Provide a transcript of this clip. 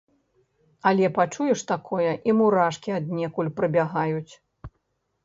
Але пачуеш такое, і мурашкі аднекуль прыбягаюць.